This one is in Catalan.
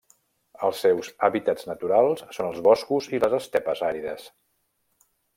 Els seus hàbitats naturals són els boscos i les estepes àrides.